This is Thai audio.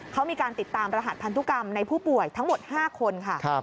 เขามีการติดตามรหัสพันธุกรรมในผู้ป่วยทั้งหมด๕คนค่ะ